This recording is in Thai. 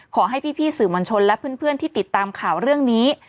ขอให้พี่สื่อมวลชนและเพื่อนที่ติดตามข่าวเรื่องนี้